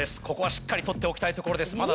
ここはしっかり取っておきたいところです。